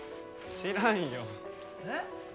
知らんよえっ？